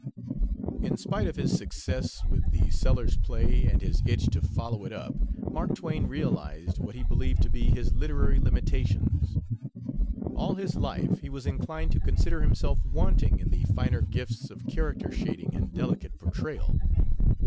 In spite of his success with the Sellers play and his itch to follow it up, Mark Twain realized what he believed to be his literary limitations. All his life he was inclined to consider himself wanting in the finer gifts of character shading and delicate portrayal.